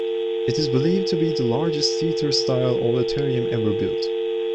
It is believed to be the largest theater-style auditorium ever built.